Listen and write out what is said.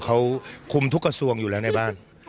เขาคุมทุกกระทรวงอยู่แล้วในบ้าน